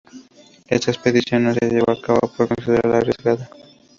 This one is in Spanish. Esta expedición no se llevó a cabo por considerarla arriesgada.